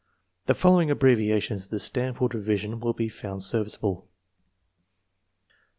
The following abbreviations of the Stanford Revi sion will be found serviceable: 1.